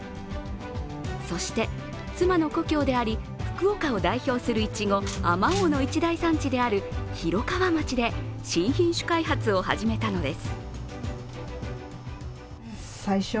そして、妻の故郷であり福岡を代表するいちご、あまおうの一大産地である広川町で新品種開発を始めたのです。